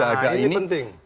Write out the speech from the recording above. nah ini penting